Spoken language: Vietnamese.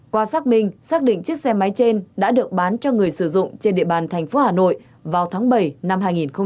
qua xác minh xác định chiếc xe máy trên đã được bán cho người sử dụng trên địa bàn thành phố hà nội vào tháng bảy năm hai nghìn một mươi chín